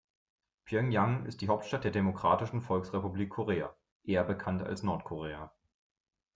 Pjöngjang ist die Hauptstadt der Demokratischen Volksrepublik Korea, eher bekannt als Nordkorea.